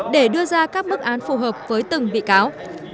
để đưa ra các mức án phù hợp với từng bị cáo